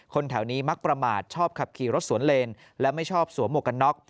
แถวนี้มักประมาทชอบขับขี่รถสวนเลนและไม่ชอบสวมหมวกกันน็อก